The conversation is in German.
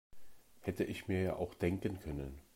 Hätte ich mir ja auch denken können.